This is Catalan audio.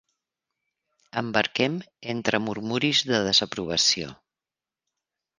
Embarquem entre murmuris de desaprovació.